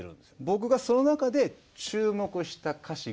僕がその中で注目した歌詞がその２。